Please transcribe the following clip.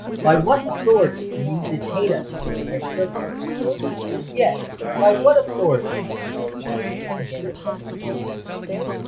"By what authority do you detain us here as prisoners?" "Yes—by what authority?" echoed Cholmondeley, again stepping forward.